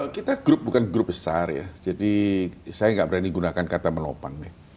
kita grup bukan grup besar ya jadi saya nggak berani gunakan kata menopang nih